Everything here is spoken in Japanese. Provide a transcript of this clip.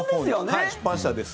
はい、出版社です。